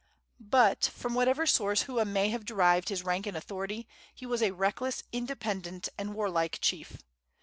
But, from whatever source Hua may have derived his rank and authority, he was a reckless, independent and warlike chief.